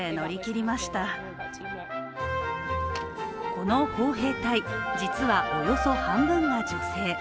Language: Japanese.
この砲兵隊、実はおよそ半分が女性。